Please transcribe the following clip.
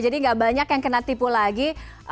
jadi nggak banyak yang kena tipu lagi